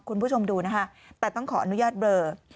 คุณผู้ชมดูนะคะแต่ต้องขออนุญาตเบลอ